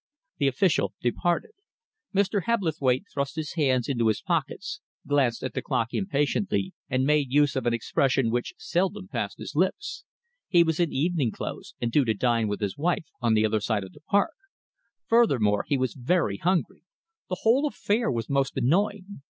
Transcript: The official departed. Mr. Hebblethwaite thrust his hands into his pockets, glanced at the clock impatiently, and made use of an expression which seldom passed his lips. He was in evening dress, and due to dine with his wife on the other side of the Park. Furthermore, he was very hungry. The whole affair was most annoying.